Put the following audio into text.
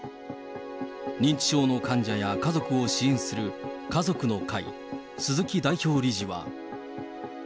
認知症の患者や家族を支援する家族の会、鈴木代表理事は。